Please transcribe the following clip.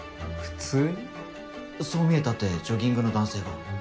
そう見えたってジョギングの男性が。